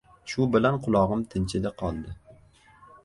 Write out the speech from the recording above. Shu bilan qulog‘im tinchidi-qoldi.